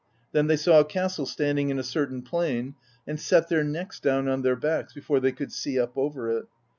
Then they saw a castle standing in a certain plain, and set their necks down on their backs before they could see up over it.